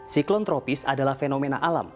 siklon tropis adalah fenomena alam